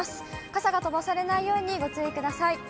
傘が飛ばされないようにご注意ください。